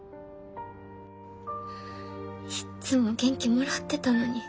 いっつも元気もらってたのに。